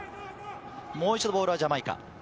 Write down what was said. もう一度、ボールはジャマイカ。